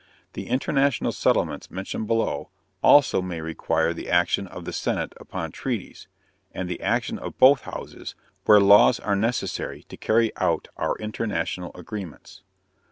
The international settlements mentioned below also may require the action of the Senate upon treaties, and the action of both houses where laws are necessary to carry out our international agreements.